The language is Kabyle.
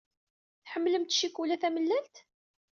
Tḥemmlemt ccikula tamellalt?